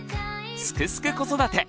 「すくすく子育て」